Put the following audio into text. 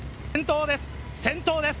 先頭です。